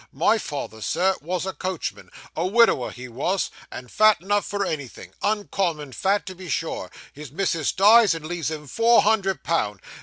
My father, Sir, wos a coachman. A widower he wos, and fat enough for anything uncommon fat, to be sure. His missus dies, and leaves him four hundred pound.